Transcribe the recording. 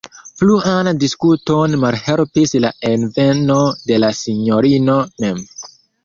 Pluan diskuton malhelpis la enveno de la sinjorino mem.